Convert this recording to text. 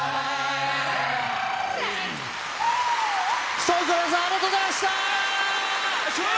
ＳｉｘＴＯＮＥＳの皆さん、ありがとうございました。